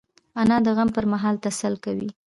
انا د غم پر مهال تسل ده